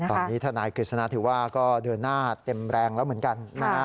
ตอนนี้ทนายกฤษณะถือว่าก็เดินหน้าเต็มแรงแล้วเหมือนกันนะฮะ